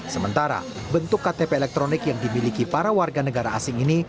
sementara bentuk ktp elektronik yang dimiliki para warga negara asing ini